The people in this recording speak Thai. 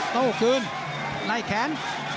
โต้คืนไล่แขน